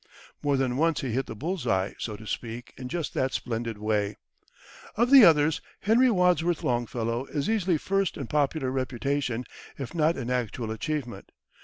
More than once he hit the bull's eye, so to speak, in just that splendid way. Of the others, Henry Wadsworth Longfellow is easily first in popular reputation, if not in actual achievement.